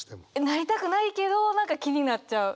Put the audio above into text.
なりたくないけど何か気になっちゃう。